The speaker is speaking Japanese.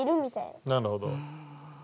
なるほど。